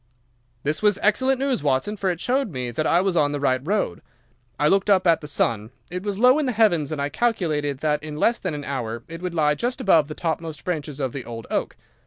"This was excellent news, Watson, for it showed me that I was on the right road. I looked up at the sun. It was low in the heavens, and I calculated that in less than an hour it would lie just above the topmost branches of the old oak.